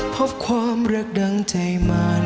พบความรักดังใจมาร